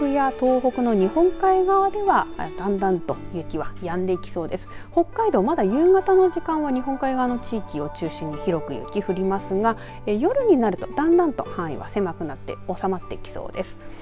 北海道はまだ雪は夕方の時間帯日本海側の地域を中心に降りますが夜になると、だんだんと範囲は狭くなって収まってきそうです。